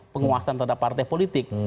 penguasaan terhadap partai politik